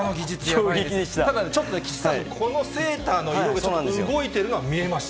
でも、この岸さんのこのセーターの色、動いているのが見えました。